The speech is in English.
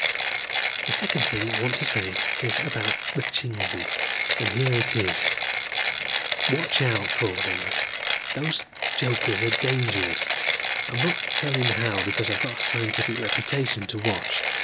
"The second thing I want to say is about the Chingsi, and here it is: watch out for them. Those jokers are dangerous. I'm not telling how because I've got a scientific reputation to watch.